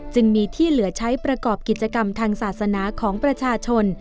จึงมีที่เหลือใช้ประกอบกิจกรรมทางศาสนาของประชาชน